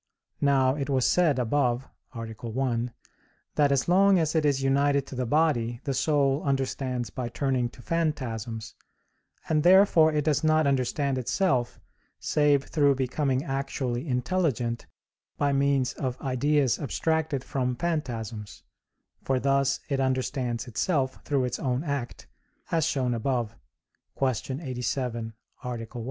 Now it was said above (A. 1), that as long as it is united to the body the soul understands by turning to phantasms, and therefore it does not understand itself save through becoming actually intelligent by means of ideas abstracted from phantasms; for thus it understands itself through its own act, as shown above (Q. 87, A. 1).